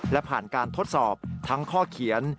และผ่านการทดสอบทั้งข้อเขียน